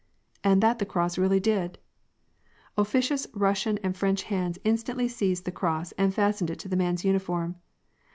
And that the cross really did ! Officious Russian and French hands instantly seized the ero68 and fastened it to the man's uniform.